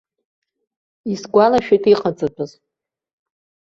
Исгәалашәеит иҟаҵатәыз.